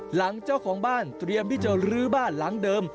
หลังเจ้าของบ้านเตรียมที่จะลื้อบ้านหลังเดิม